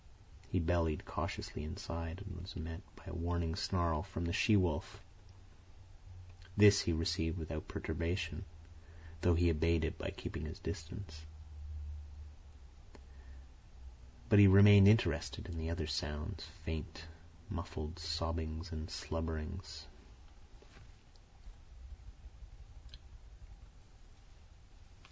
He bellied cautiously inside and was met by a warning snarl from the she wolf. This he received without perturbation, though he obeyed it by keeping his distance; but he remained interested in the other sounds—faint, muffled sobbings and slubberings.